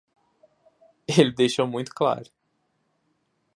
Ele deixou muito claro